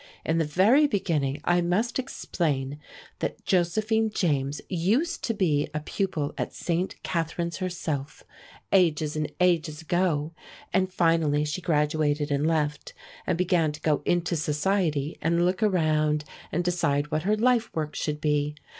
In the very beginning I must explain that Josephine James used to be a pupil at St. Catharine's herself, ages and ages ago, and finally she graduated and left, and began to go into society and look around and decide what her life work should be.